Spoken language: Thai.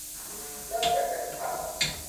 เริ่มจาก หนึ่งพัน